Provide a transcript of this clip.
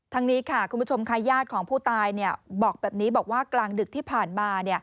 นี้ค่ะคุณผู้ชมค่ะญาติของผู้ตายบอกแบบนี้บอกว่ากลางดึกที่ผ่านมา